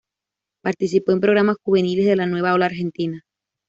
Participó en programas juveniles de "la nueva ola argentina".